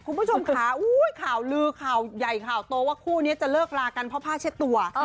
คุณผู้ชมค่ะข่าวลือข่าวใหญ่ข่าวโตว่าคู่นี้จะเลิกลากันเพราะผ้าเช็ดตัว